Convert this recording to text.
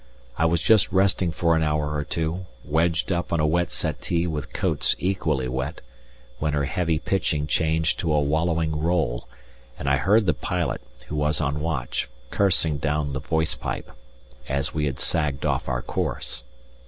I was just resting for an hour or two, wedged up on a wet settee with coats equally wet, when her heavy pitching changed to a wallowing roll, and I heard the pilot, who was on watch, cursing down the voice pipe, as we had sagged off our course. [Footnote 1: Gyroscopic compass. ETIENNE.